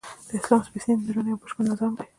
د اسلام سپیڅلی دین د ژوند یؤ بشپړ نظام دی!